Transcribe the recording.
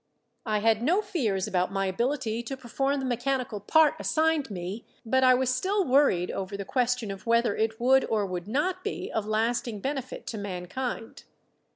I had no fears about my ability to perform the mechanical part assigned me, but I was still worried over the question of whether it would or would not be of lasting benefit to mankind.